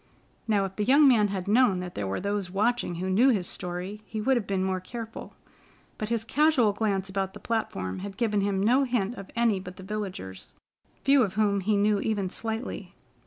Now, if the young man had known that there were those watching who knew his story he would have been more careful, but his casual glance about the platform had given him no hint of any but the villagers, few of whom he knew even slightly.